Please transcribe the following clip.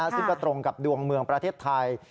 ซึ่งก็ตรงกับดวงเมืองประเทศไทย